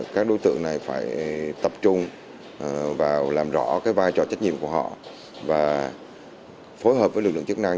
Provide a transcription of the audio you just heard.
các đối tượng này phải tập trung vào làm rõ vai trò trách nhiệm của họ và phối hợp với lực lượng chức năng